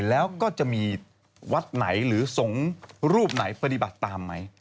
แล้วก็จะมีวัดไหนหรือสงฆ์รูปไหนปฏิบัติตามไหม